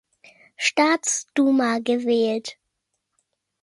Staatsduma gewählt.